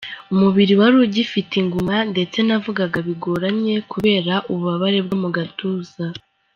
Umubiri wari ugifite inguma ndetse navugaga bigoranye kubera ububabare bwo mu gatuza.